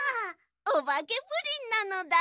おばけプリンなのだ。